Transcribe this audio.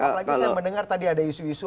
apalagi saya mendengar tadi ada isu isu